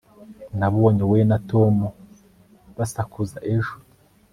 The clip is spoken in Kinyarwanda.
nabonye wowe na tom basakuza ejo